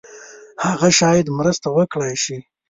هغه شاید مرسته وکړای شي.